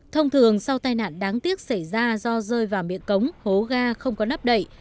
thông thường sau tai nạn đáng tiếc xảy ra do rơi vào miệng cống hố ga không có nắp đậy